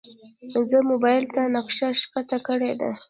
زه موبایل ته نقشه ښکته کړې ده.